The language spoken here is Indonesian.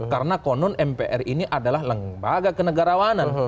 karena konon mpr ini adalah lembaga kenegarawanan